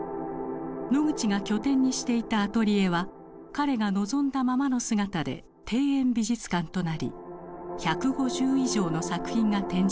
ノグチが拠点にしていたアトリエは彼が望んだままの姿で庭園美術館となり１５０以上の作品が展示されています。